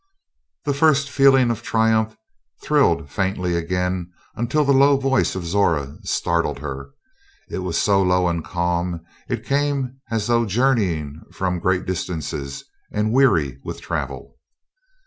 The first feeling of triumph thrilled faintly again until the low voice of Zora startled her. It was so low and calm, it came as though journeying from great distances and weary with travel.